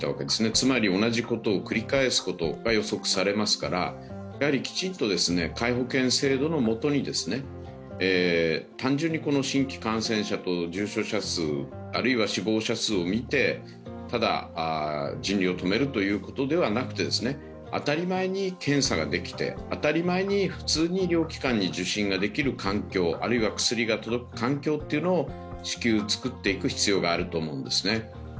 つまり同じことを繰り返すことが予測されますから、きちんと皆保険制度のもとに単純に新規感染者と重症者数、あるいは死亡者数を見て、ただ人流を止めるということではなくて当たり前に検査ができて当たり前に、普通に医療機関に受診ができる環境環境、あるいは薬が届く環境というのを至急作っていく必要があると思います。